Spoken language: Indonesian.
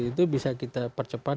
itu bisa kita percepat